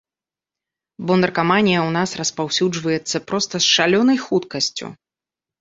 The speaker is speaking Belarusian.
Бо наркаманія ў нас распаўсюджваецца проста з шалёнай хуткасцю.